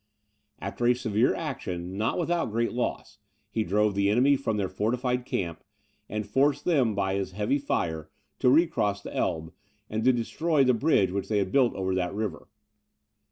After a severe action, not without great loss, he drove the enemy from their fortified camp, and forced them, by his heavy fire, to recross the Elbe, and to destroy the bridge which they had built over that river.